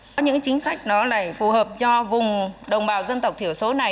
có những chính sách phù hợp cho vùng đồng bào dân tộc thiểu số này